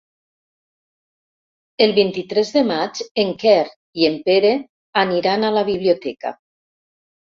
El vint-i-tres de maig en Quer i en Pere aniran a la biblioteca.